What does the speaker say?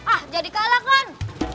ah jadi kalah kan